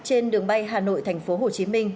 trên đường bay hà nội tp hồ chí minh